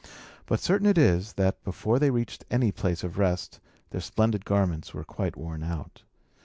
But certain it is, that, before they reached any place of rest, their splendid garments were quite worn out.